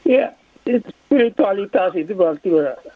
ya spiritualitas itu berarti